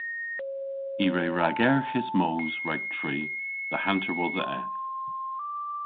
I re ragerghis moos rag tri dhe hanter wosa eth.